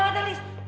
kayak muda pun mica